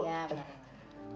aku akan turun ke rumah sakit